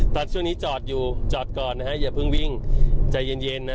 ช่วงนี้จอดอยู่จอดก่อนนะฮะอย่าเพิ่งวิ่งใจเย็นนะ